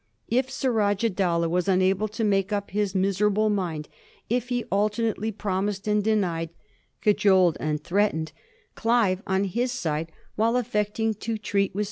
If Surajah Dowlah was unable to make up his mis erable mind, if he alternately promised and denied, cajoled and threatened, Clive, on his side, while affecting to treat 270 A BISTORT OF THE FOUR GEORGES, co.